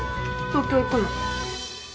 東京行くの。